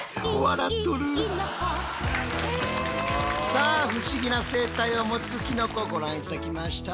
さあ不思議な生態を持つキノコをご覧頂きました。